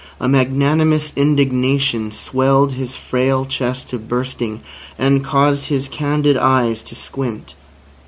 A magnanimous indignation swelled his frail chest to bursting, and caused his candid eyes to squint.